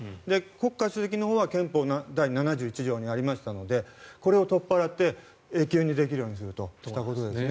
国家主席のほうは憲法第７１条にありましたのでこれを取っ払って永久にできるようにしたということです。